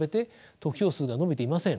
得票数が伸びていません。